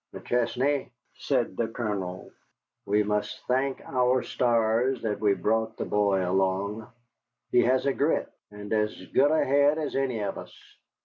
"McChesney," said the Colonel, "we must thank our stars that we brought the boy along. He has grit, and as good a head as any of us.